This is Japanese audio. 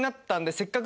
「せっかく」？